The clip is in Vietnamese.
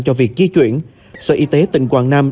cho việc di chuyển sở y tế tỉnh quảng nam